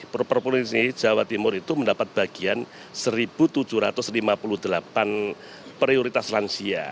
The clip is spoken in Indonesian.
perpulusi jawa timur itu mendapat bagian satu tujuh ratus lima puluh delapan prioritas lansia